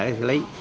để xử lý